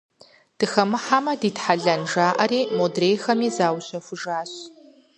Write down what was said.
Дыхэмыхьэмэ дитхьэлэн жаӀэри, модрейхэми заущэхужащ.